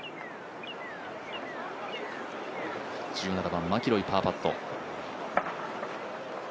１７番、マキロイ、パーパット。